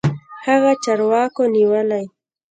هغه چارواکو نيولى.